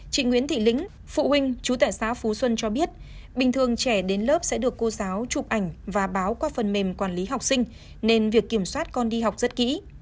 chị nguyễn thị lĩnh phụ huynh chú tại xã phú xuân cho biết bình thường trẻ đến lớp sẽ được cô giáo chụp ảnh và báo qua phần mềm quản lý học sinh nên việc kiểm soát con đi học rất kỹ